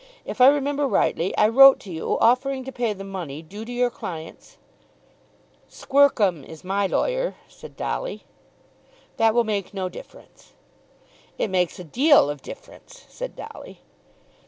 "If I remember rightly I wrote to you offering to pay the money due to your clients " "Squercum is my lawyer," said Dolly. "That will make no difference." "It makes a deal of difference," said Dolly.